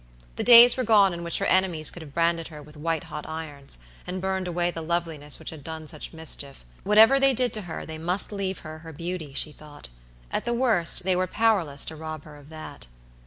The days were gone in which her enemies could have branded her with white hot irons, and burned away the loveliness which had done such mischief. Whatever they did to her they must leave her her beauty, she thought. At the worst, they were powerless to rob her of that.